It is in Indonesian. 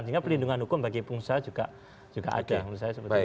sehingga pelindungan hukum bagi pengusaha juga ada menurut saya seperti itu